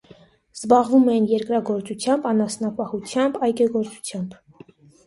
Զբաղվում էին երկրագործությամբ, անասնապահությամբ, այգեգործությամբ։